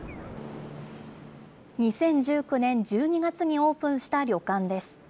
２０１９年１２月にオープンした旅館です。